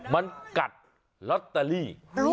มันกัดลอตเตอรี่